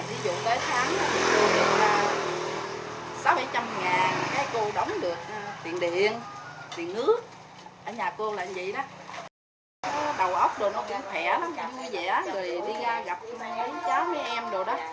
thì nó khẻ tinh thần lắm